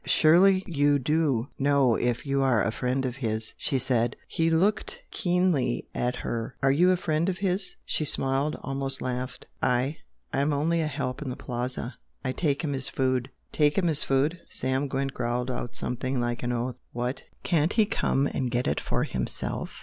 "Surely you DO know if you are a friend of his?" she said. He looked keenly at her. "Are YOU a friend of his?" She smiled almost laughed. "I? I am only a help in the Plaza I take him his food " "Take him his food!" Sam Gwent growled out something like an oath "What! Can't he come and get it for himself?